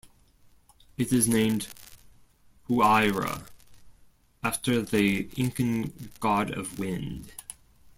It is named Huayra after the Incan god of wind.